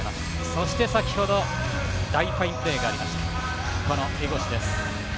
そして先ほど大ファインプレーがありました江越です。